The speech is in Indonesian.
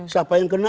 siapa yang kena